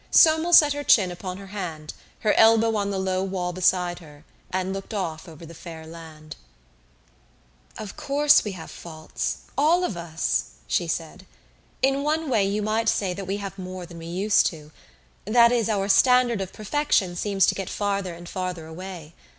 Somel set her chin upon her hand, her elbow on the low wall beside her, and looked off over the fair land. "Of course we have faults all of us," she said. "In one way you might say that we have more than we used to that is, our standard of perfection seems to get farther and farther away.